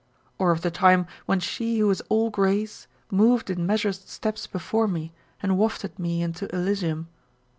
Or of the time when she who was all grace moved in measured steps before me, and wafted me into Elysium